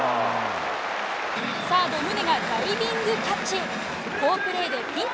サード宗がダイビングキャッチ。